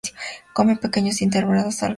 Come pequeños invertebrados, algas y detritus.